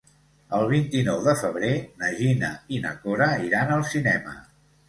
El vint-i-nou de febrer na Gina i na Cora iran al cinema.